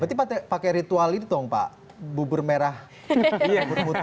berarti pakai ritual itu dong pak bubur merah putih